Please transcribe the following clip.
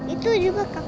itu juga kak